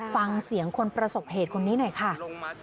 ฟังเสียงคนประสบเหตุคนนี้หน่อยค่ะ